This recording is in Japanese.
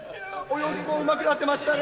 泳ぎもうまくなってましたね。